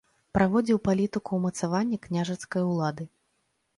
Праводзіў палітыку ўмацавання княжацкай улады.